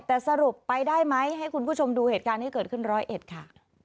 แต่สรุปไปได้ไหมให้คุณผู้ชมดูเหตุการณ์ที่เกิดขึ้นร้อยเอ็ดค่ะ